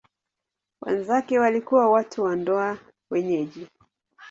Wenzake walikuwa watu wa ndoa wenyeji.